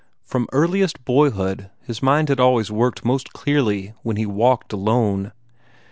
From earliest boyhood his mind had always worked most clearly when he walked alone.